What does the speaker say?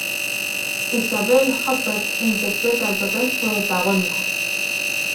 Isabelle Huppert interpreta el papel protagónico.